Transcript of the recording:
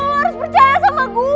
lo harus percaya sama gue